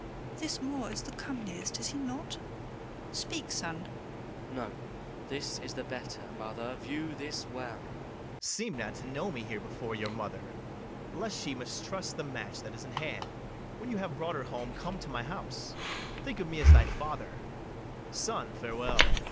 [Aside.] [Exit LODOWICK.] KATHARINE. This Moor is comeliest, is he not? speak, son. MATHIAS. No, this is the better, mother, view this well. BARABAS. Seem not to know me here before your mother, Lest she mistrust the match that is in hand: When you have brought her home, come to my house; Think of me as thy father: son, farewell.